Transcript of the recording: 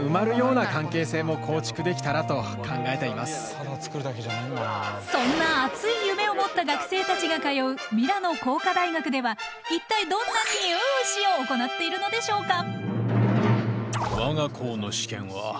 おにいさんは今そんな熱い夢を持った学生たちが通うミラノ工科大学では一体どんなニュー試を行っているのでしょうか？